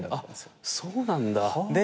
あっそうなんだ。